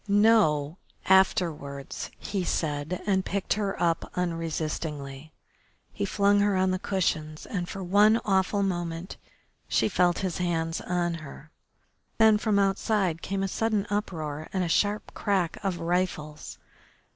"No, afterwards," he said, and picked her up unresistingly. He flung her on the cushions and for one awful moment she felt his hands on her. Then from outside came a sudden uproar and the sharp crack of rifles.